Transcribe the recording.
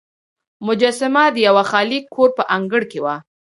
مجسمه د یوه خالي کور په انګړ کې وه.